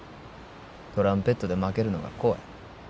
トランペットで負けるのが怖い。